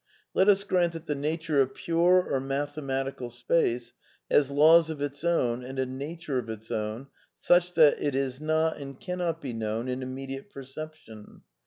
Let us grant that the nature of pure or mathematical space has laws of its own and a nature of its own such that it is not and cannot be kno in immediate perception.